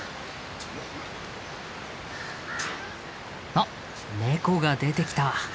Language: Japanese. あっネコが出てきた！